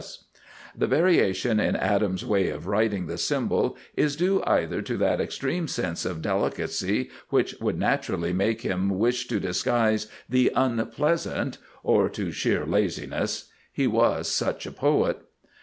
(See S.) The variation in Adam's way of writing the symbol is due either to that extreme sense of delicacy which would naturally make him wish to disguise the unpleasant, or to sheer laziness. He was such a poet.